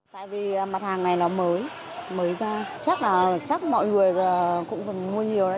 tại vì mặt hàng này nó mới mới ra chắc là mọi người cũng cần mua nhiều nữa